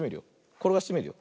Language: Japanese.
ころがしてみるよ。